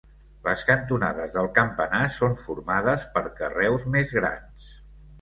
Les cantonades del campanar són formades per carreus més grans.